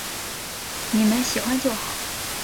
妳们喜欢就好